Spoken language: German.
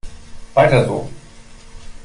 Weiter so!